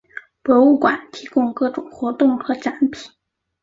博物馆提供各种活动和展品。